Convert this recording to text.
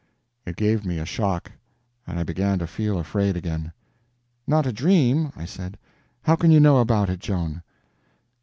It gave me a shock, and I began to feel afraid again. "Not a dream?" I said, "how can you know about it, Joan?"